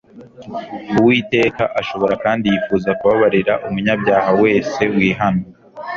Uwiteka ashobora kandi yifuza kubabarira umunyabyaha wese wihana;